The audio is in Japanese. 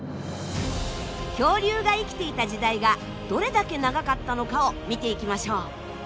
恐竜が生きていた時代がどれだけ長かったのかを見ていきましょう。